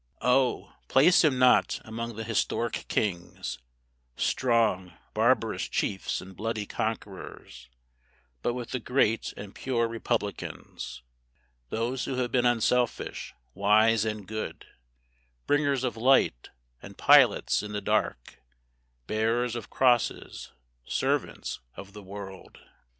"Oh, place him not among the historic kings, Strong, barbarous chiefs and bloody conquerors, But with the Great and pure Republicans: "Those who have been unselfish, wise, and good, Bringers of Light and Pilots in the dark, Bearers of Crosses, Servants of the World.